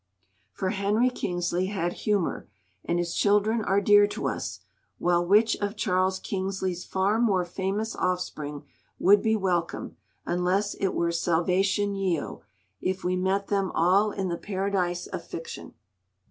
For Henry Kingsley had humour, and his children are dear to us; while which of Charles Kingsley's far more famous offspring would be welcome—unless it were Salvation Yeo—if we met them all in the Paradise of Fiction?